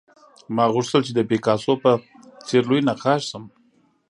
ما غوښتل چې د پیکاسو په څېر لوی نقاش شم